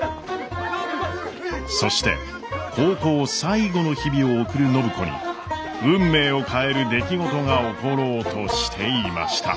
そして高校最後の日々を送る暢子に運命を変える出来事が起ころうとしていました。